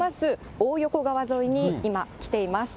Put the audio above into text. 大横川沿いに今、来ています。